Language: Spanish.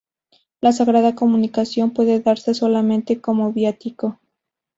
La Sagrada Comunión puede darse solamente como viático.